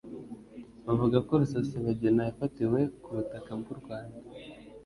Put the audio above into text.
buvuga ko Rusesabagina yafatiwe ku butaka bw'u Rwanda